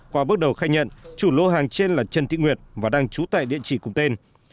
qua bước đầu khai nhận chủ lô hàng trên là trần thị nguyệt và đang trú tại địa chỉ cùng tên